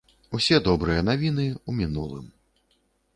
Усе добрыя навіны ў мінулым.